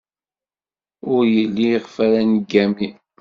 Ur yelli iɣef ara neggami.